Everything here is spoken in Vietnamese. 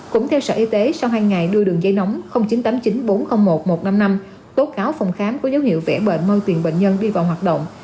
cũng theo sở y tế sau hai ngày đưa đường dây nóng chín tám chín bốn không một một năm năm tố cáo phòng khám có dấu hiệu vẻ bệnh môi tiền bệnh nhân đi vào hoạt động